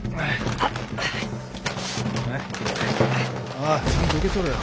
おいちゃんと受け取れよ。